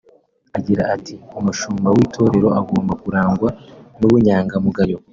Agira ati “Umushumba w’itorero agomba kurangwa n’ubunyangamugayo